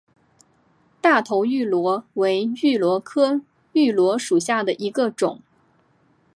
大头芋螺为芋螺科芋螺属下的一个种。